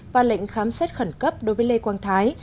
và lệnh khám xét khẩn cấp đối với lê quang thái